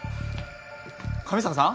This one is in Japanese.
上坂さん？